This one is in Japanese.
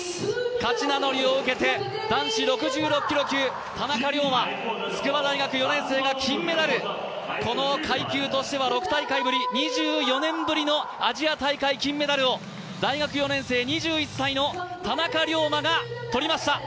勝ち名乗りを受けて男子６６キロ級、田中龍馬、筑波大学４年生がこの階級としては６大会ぶり、２４年ぶりのアジア大会金メダルを大学４年生、２１歳の田中龍馬がとりました。